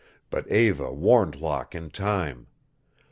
But Eva warned Locke in time.